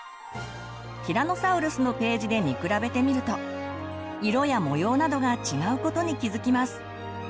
ティラノサウルのページで見比べてみると色や模様などが違うことに気付きます。